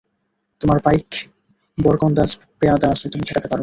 তোমার পাইক বরকন্দাজ পেয়াদা আছে, তুমি ঠেকাতে পার।